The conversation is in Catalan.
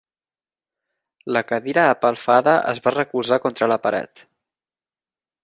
La cadira apelfada es va recolzar contra la paret.